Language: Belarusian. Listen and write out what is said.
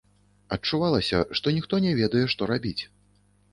Адчувалася, што ніхто не ведае, што рабіць.